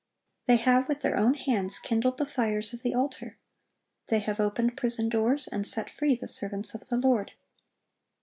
They have, with their own hands, kindled the fires of the altar. They have opened prison doors, and set free the servants of the Lord.